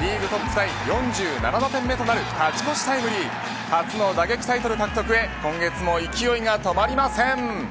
リーグトップタイ４７打点目となる勝ち越しタイムリー初の打撃タイトル獲得へ今月も勢いが止まりません。